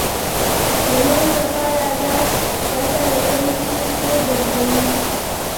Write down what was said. د نورو لپاره ځان ګټه رسوونکی وګرځوي.